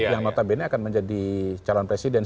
yang notabene akan menjadi calon presiden